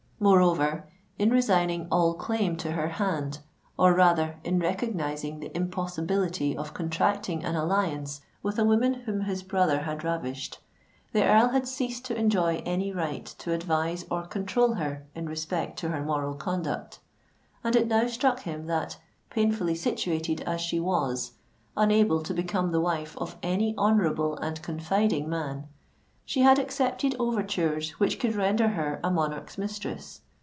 Moreover, in resigning all claim to her hand—or rather, in recognising the impossibility of contracting an alliance with a woman whom his brother had ravished—the Earl had ceased to enjoy any right to advise or control her in respect to her moral conduct;—and it now struck him that, painfully situated as she was—unable to become the wife of any honourable and confiding man—she had accepted overtures which would render her a monarch's mistress.